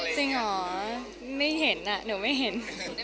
จริงเหรอไม่เห็นอ่ะหนูไม่เห็น